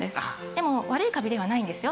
でも悪いカビではないんですよ。